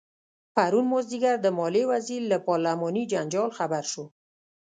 پرون مازدیګر د مالیې وزیر له پارلماني جنجال خبر شو.